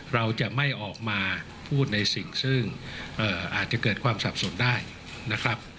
เราจะไม่ออกมาพูดในสิ่งซึ่งอาจจะเกิดความสับสนได้นะครับ